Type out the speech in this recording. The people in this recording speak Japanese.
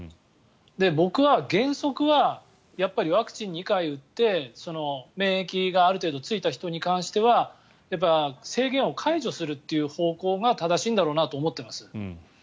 僕は原則はワクチン２回打って免疫がある程度ついた人に関してはやっぱり制限を解除するという方向が正しいんだろうなと思っています。